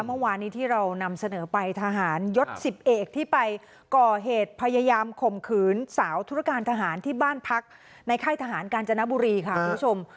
เมื่อวานนี้ที่เรานำเสนอไปทหารยศ๑๐เอกที่ไปก่อเหตุพยายามข่มขืนสาวธุรการทหารที่บ้านพักในค่ายทหารกาญจนบุรีค่ะคุณผู้ชม